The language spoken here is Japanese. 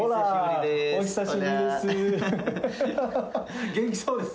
お久しぶりです。